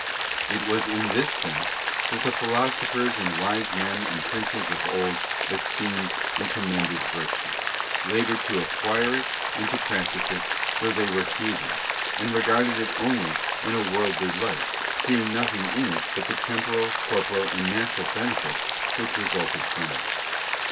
It was in this sense that the Philosophers and wise men and princes of old esteemed and commended virtue, laboured to acquire it and to practise it, though they were heathens, and regarded it only in a worldly light, seeing nothing in it but the temporal, corporal, and natural benefits which resulted from it.